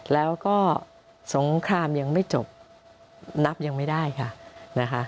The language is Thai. แล้วก็สงครามยังไม่จบนับยังไม่ได้ค่ะนะคะ